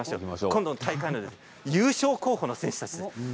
今度の大会で優勝候補の選手です。